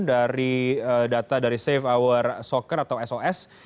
dan kita juga bisa menumpun dari data dari save our soccer atau sos